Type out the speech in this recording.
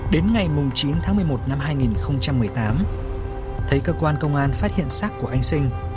đến ngày chín tháng một mươi một năm hai nghìn một mươi tám thấy cơ quan công an phát hiện xác của anh sinh